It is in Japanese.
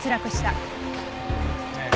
ええ。